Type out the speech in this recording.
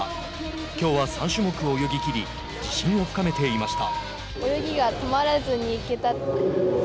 きょうは３種目泳ぎ切り自信を深めていました。